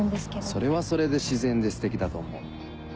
それはそれで自然でステキだと思う。